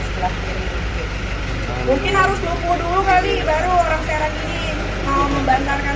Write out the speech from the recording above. setelah ini mungkin harus lupu dulu kali baru orang sekarang ini mau membantarkan